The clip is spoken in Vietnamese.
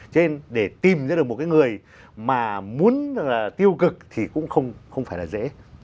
cho nên để tìm ra được một cái người mà muốn tiêu cực thì cũng không phải là dễ